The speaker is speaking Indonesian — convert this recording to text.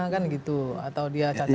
kan gitu atau dia cacat